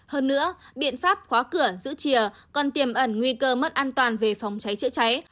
hơn nữa biện pháp khóa cửa giữ chìa còn tiềm ẩn nguy cơ mất an toàn về phòng cháy chữa cháy